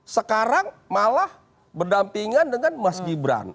sekarang malah berdampingan dengan mas gibran